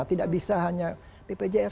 tidak bisa hanya ppjs